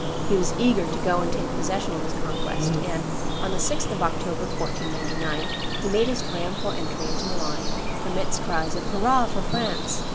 He was eager to go and take possession of his conquest, and, on the 6th of October, 1499, he made his triumphal entry into Milan amidst cries of "Hurrah! for France."